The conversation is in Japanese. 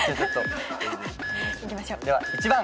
では１番。